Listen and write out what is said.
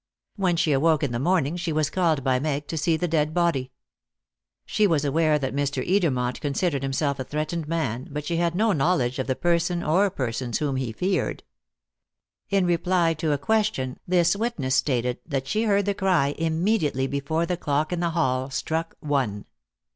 When she awoke in the morning she was called by Meg to see the dead body. She was aware that Mr. Edermont considered himself a threatened man, but she had no knowledge of the person or persons whom he feared. In reply to a question, this witness stated that she heard the cry immediately before the clock in the hall struck "one."